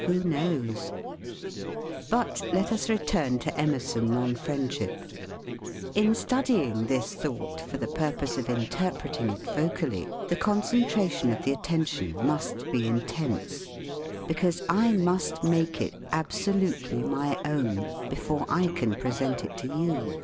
Who knows? But let us return to Emerson on Friend ship. In studying this thought for the pur pose of interpreting it vocally, the concen tration of the attention must be intense, because I must make it absolutely my own before I can present it to you.